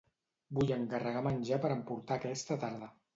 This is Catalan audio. Vull encarregar menjar per emportar aquesta tarda.